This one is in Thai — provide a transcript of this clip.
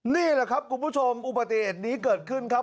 นี่แหละครับคุณผู้ชมอุบัติเหตุนี้เกิดขึ้นครับ